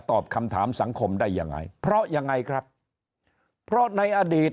ตอบคำถามสังคมได้ยังไงเพราะยังไงครับเพราะในอดีต